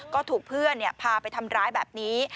ก็ถูกเพื่อนพาไปทำร้ายแบบนี้